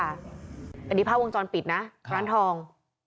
อันนี้ภาพวงจรปิดนะร้านทอง